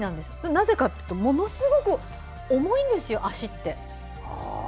なぜかというとものすごく重いんですよ、足って。